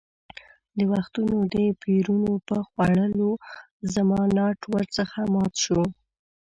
د وختونو د پېرونو په خوړلو زما ناټ ور څخه مات شو.